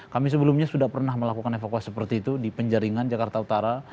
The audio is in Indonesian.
kami sebelumnya sudah pernah melakukan evakuasi seperti itu di penjaringan jakarta utara